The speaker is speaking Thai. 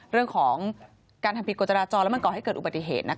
เรื่องของการทำผิดกฎจราจรแล้วมันก่อให้เกิดอุบัติเหตุ